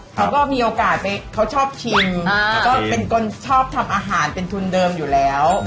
เขาก็มีโอกาสไปเขาชอบชิมแล้วก็เป็นคนชอบทำอาหารเป็นทุนเดิมอยู่แล้ว